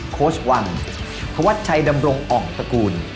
โค้ชวังธวัชชัยดำรงอ่องตระกูล